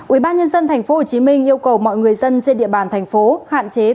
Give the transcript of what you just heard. ubnd tp hcm yêu cầu mọi người dân trên địa bàn thành phố hạn chế tổ chức tổ chức